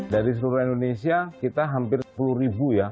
dari seluruh indonesia kita hampir sepuluh ribu ya